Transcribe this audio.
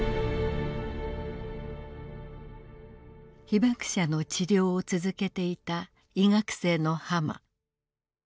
被爆者の治療を続けていた医学生の濱。